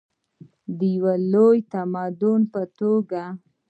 د یو لوی تمدن په توګه.